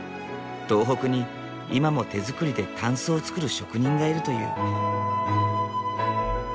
東北に今も手づくりで箪笥を作る職人がいるという。